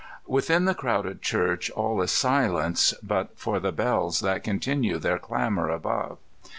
Within the crowded church all is silence but for the bells that continue their clamor above.